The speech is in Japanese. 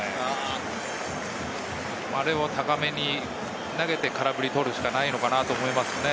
あれを高めに投げて空振り取るしかないのかなと思いますね。